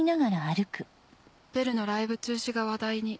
「ベルのライブ中止が話題に」。